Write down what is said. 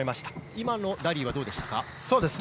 今のラリーはどうでしたか。